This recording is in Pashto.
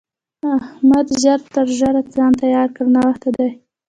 احمده! ژر ژر ځان تيار کړه؛ ناوخته دی.